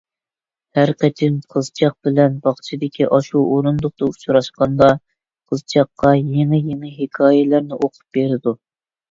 ھەر قېتىم قىزچاق بىلەن باغچىدىكى ئاشۇ ئورۇندۇقتا ئۇچراشقاندا، قىزچاققا يېڭى-يېڭى ھېكايىلەرنى ئوقۇپ بېرىدۇ.